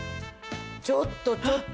ちょっとちょっと。